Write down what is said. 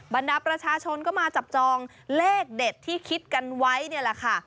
บรรดาประชาชนก็มาจับจองเลขเด็ดที่คิดกันไว้นี่แหละค่ะ